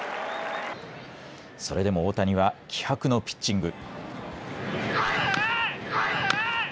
それでも大谷は気迫のピッチング。